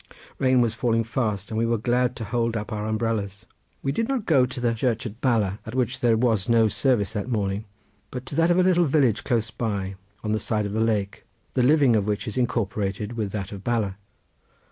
Rain was falling fast, and we were glad to hold up our umbrellas. We did not go to the church at Bala, at which there was no service that morning, but to that of a little village close by, on the side of the lake, the living of which is incorporated with that of Bala.